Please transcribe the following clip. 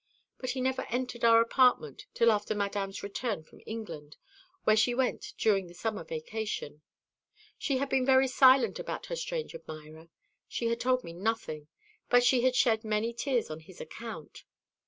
But he never entered our apartment till after Madame's return from England, where she went during the summer vacation. She had been very silent about her strange admirer she had told me nothing but she had shed many tears on his account.